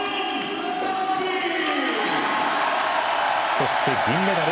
そして、銀メダル